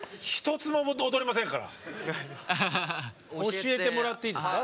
教えてもらっていいですか？